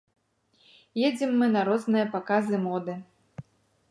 Ездзім мы на розныя паказы моды.